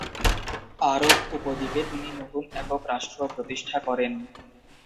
আরব উপদ্বীপে তিনি নতুন একক রাষ্ট্র প্রতিষ্ঠা করেন।